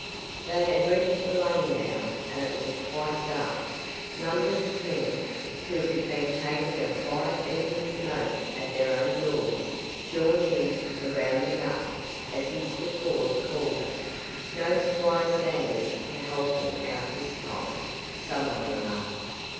They had reached the lane now, and it was quite dark. Numbers of men, who had been taking a quiet evening smoke at their own doors joined in the "rounding up" as Mr. Ford called it. "No Squire Sanders to help him out this time," some one remarked.